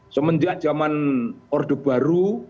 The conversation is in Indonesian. semenjak zaman ordo baru